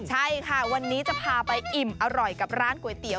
ใช่ค่ะวันนี้จะพาไปอิ่มอร่อยกับร้านก๋วยเตี๋ย